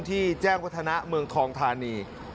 ที่แจ้งพัฒนะเมืองทองธานี